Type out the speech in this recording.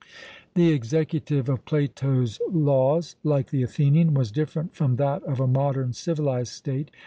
The executive of Plato's Laws, like the Athenian, was different from that of a modern civilized state.